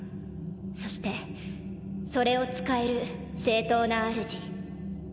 そしてそれを使える正統な主。